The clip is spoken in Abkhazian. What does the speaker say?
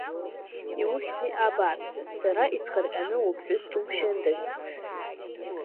Иухьзеи, абааԥсы, сара исхырҟьаны уԥҳәыс думшьындаз!